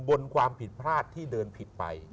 บนความผิดพลาดที่เดินผิดไป